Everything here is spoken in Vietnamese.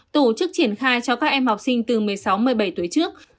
tổ chức triển khai cho các em học sinh từ một mươi sáu một mươi bảy tuổi trước